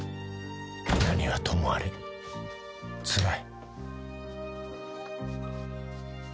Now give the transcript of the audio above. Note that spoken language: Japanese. ［何はともあれつらい］